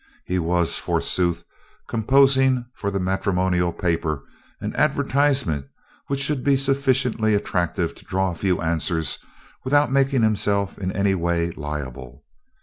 He was, forsooth, composing for the matrimonial paper an advertisement which should be sufficiently attractive to draw a few answers without making himself in any way liable.